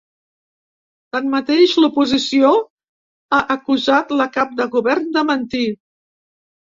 Tanmateix, l’oposició ha acusat la cap de govern de mentir.